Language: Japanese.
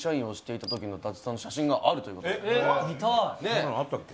そんなのあったっけ？